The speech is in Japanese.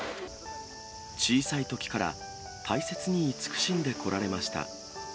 小さいときから大切に慈しんでこられました。